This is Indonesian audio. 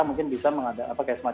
mungkin bisa mengadakan kayak semacam